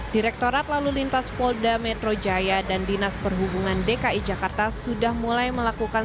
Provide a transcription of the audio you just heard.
direktorat lalu lintas polda metro jaya dan dinas perhubungan dki jakarta sudah mulai melakukan